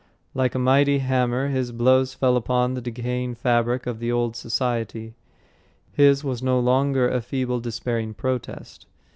Like a mighty hammer his blows fell upon the decaying fabric of the old society. His was no longer a feeble, despairing protest.